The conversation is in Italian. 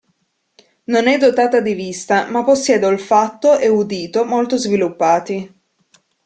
Non è dotata di vista ma possiede olfatto e udito molto sviluppati.